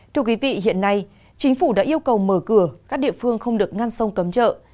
thưa quý vị hiện nay chính phủ đã yêu cầu mở cửa các địa phương không được ngăn sông cấm chợ